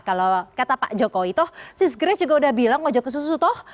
kalau kata pak jokowi toh sis grace juga udah bilang mau jokowi susu toh